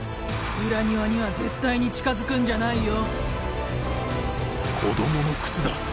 裏庭には絶対に近づくんじゃないよ。